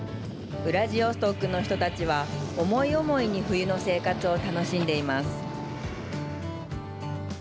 ウラジオストクの人たちは思い思いに、冬の生活を楽しんでいます。